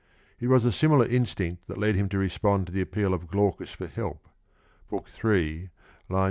It was a similar instinct that led him to respond to the appeal of Glaucus for help (III.